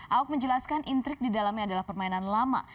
ahok menjelaskan intrik di dalamnya adalah permainan lama